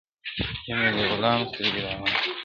يمه دي غلام سترگي راواړوه.